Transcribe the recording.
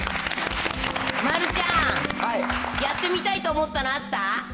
丸ちゃん、やってみたいと思ったのあった？